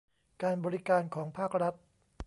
การบริการของภาครัฐ